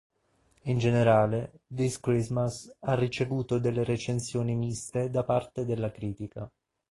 In generale, "This Christmas" ha ricevuto delle recensioni miste da parte della critica.